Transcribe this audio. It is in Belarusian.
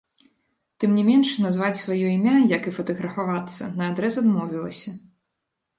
Тым не менш, назваць сваё імя, як і фатаграфавацца, наадрэз адмовілася.